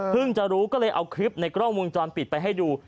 จะรู้ก็เลยเอาคลิปในกล้องวงจรปิดไปให้ดู